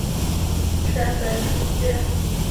绘画师事狩野派的山本素轩。